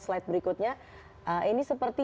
slide berikutnya ini seperti